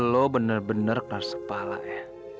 lo bener bener kelar sepala ya